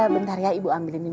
bentar ya ibu ambilin minum